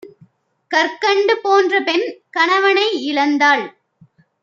கற்கண்டு போன்றபெண் கணவனை இழந் தால்